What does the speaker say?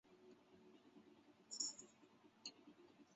会导致艾杜醇的积累。